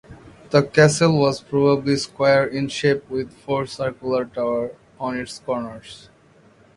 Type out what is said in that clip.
The castle was probably square in shape with four circular towers on its corners.